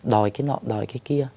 đòi cái nọ đòi cái kia